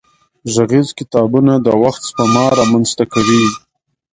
غږيز کتابونه د وخت سپما را منځ ته کوي.